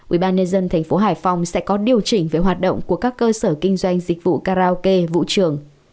ủy ban nhân dân thành phố hải phòng sẽ có điều chỉnh về hoạt động của các cơ sở kinh doanh dịch vụ karaoke vũ trường